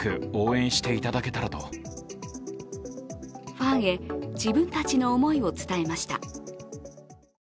ファンへ、自分たちの思いを伝えました。